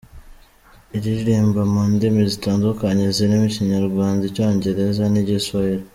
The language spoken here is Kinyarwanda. Iririmba mu ndimi zitandukanye zirimo Ikinyarwanda, Icyongereza n’Igiswahili.